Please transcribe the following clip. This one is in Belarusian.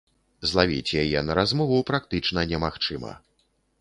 Злавіць яе на размову практычна немагчыма!